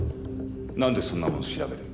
なんでそんなもの調べる？